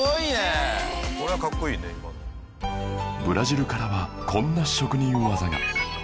ブラジルからはこんな職人技が